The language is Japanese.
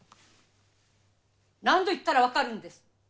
何度言ったらわかるんです？